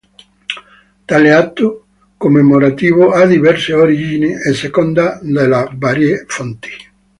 Tale atto commemorativo ha diverse origini a seconda delle varie fonti.